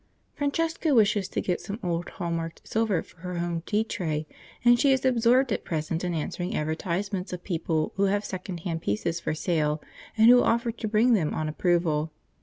Francesca wishes to get some old hall marked silver for her home tea tray, and she is absorbed at present in answering advertisements of people who have second hand pieces for sale, and who offer to bring them on approval.